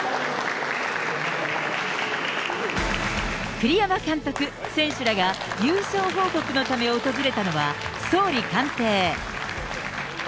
栗山監督、選手らが、優勝報告のため訪れたのは総理官邸。